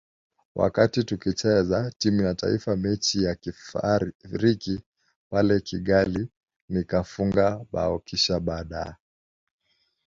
wakati tukicheza timu ya taifa mechi ya kirafiki pale Kigali nikafunga bao kisha baada